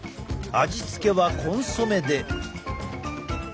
味付けはコンソメで。